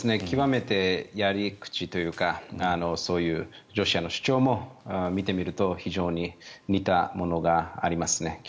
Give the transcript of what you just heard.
極めて、やり口というかそういうロシアの主張も見てみると非常に似たものがありますね。